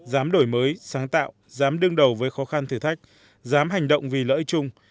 giám đổi mới sáng tạo giám đứng đầu với khó khăn thử thách giám hành động vì lợi chung